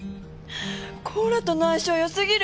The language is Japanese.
コーラとの相性よすぎる！